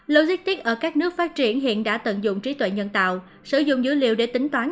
logistics ở các nước phát triển hiện đã tận dụng trí tuệ nhân tạo sử dụng dữ liệu để tính toán